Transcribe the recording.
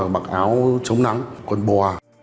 mặc áo chống nắng quần bò